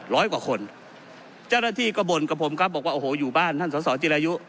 ร้อยกว่าคนเจ้าหน้าที่ก็บ่นกับผมครับบอกว่าโอ้โหอยู่บ้านท่านสอสอจิรายุ